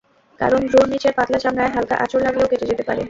কারণ, ভ্রুর নিচের পাতলা চামড়ায় হালকা আঁচড় লাগলেও কেটে যেতে পারে।